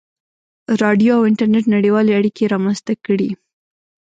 • راډیو او انټرنېټ نړیوالې اړیکې رامنځته کړې.